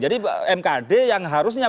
jadi mkd yang harusnya